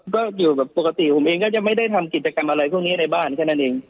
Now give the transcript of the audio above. ก็อยู่แบบปกติผมเองก็จะไม่ได้ทำกิจกรรมอะไรพวกนี้ในบ้านแค่นั้นเอง